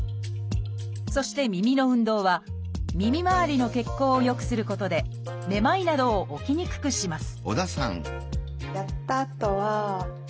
そして耳の運動は耳周りの血行を良くすることでめまいなどを起きにくくします